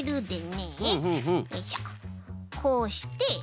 こうして。